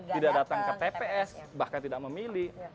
tidak datang ke tps bahkan tidak memilih